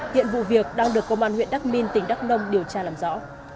hiện vụ việc đang được công an huyện đắc minh tỉnh đắc nông điều tra làm rõ